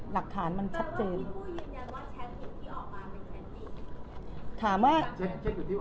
หลักฐานมันชัดเจน